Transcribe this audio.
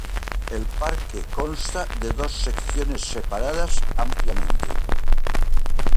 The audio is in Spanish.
El parque consta de dos secciones separadas ampliamente.